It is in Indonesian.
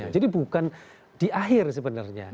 jadi bukan di akhir sebenarnya